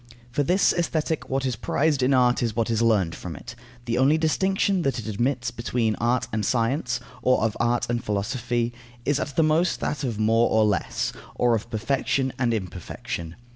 For this Aesthetic, what is prized in art is what is learned from it. The only distinction that it admits between art and science, or art and philosophy, is at the most that of more or less, or of perfection and imperfection.